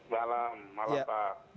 malam malam pak